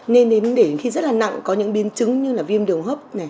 nên đến đến khi rất là nặng có những biến chứng như là viêm đường hấp